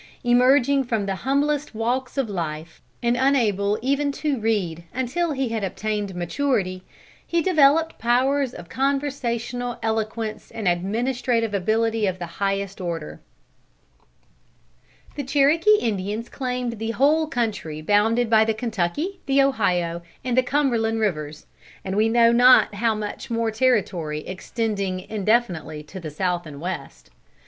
Emerging from the humblest walks of life, and unable even to read until he had obtained maturity, he developed powers of conversational eloquence and administrative ability of the highest order. The Cherokee Indians claimed the whole country bounded by the Kentucky, the Ohio, and the Cumberland rivers, and we know not how much more territory extending indefinitely to the South and West.